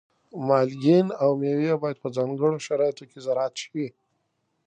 مالګین او مېوې باید په ځانګړو شرایطو کې زراعت شي.